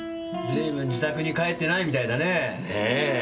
随分自宅に帰ってないみたいだね。ねぇ。